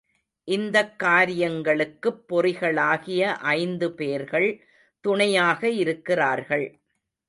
இந்தக் காரியங்களுக்குப் பொறிகளாகிய ஐந்து பேர்கள் துணையாக இருக்கிறார்கள்.